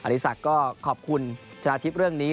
ดีศักดิ์ก็ขอบคุณชนะทิพย์เรื่องนี้